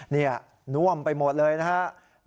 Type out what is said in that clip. นี่น่วมไปหมดเลยนะครับ